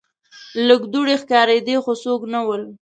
لږ دوړې ښکاریدې خو څوک نه ول.